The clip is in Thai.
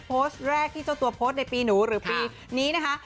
โพสต์แรกที่เจ้าตัวโพสต์ในปีหนูหรือปีนี้นะคะ